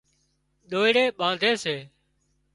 ۮوئيڙِي ٻانڌي سي